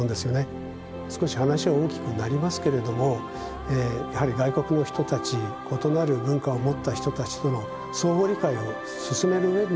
少し話は大きくなりますけれどもやはり外国の人たち異なる文化を持った人たちとの相互理解を進めるうえでもですね